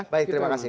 baik terima kasih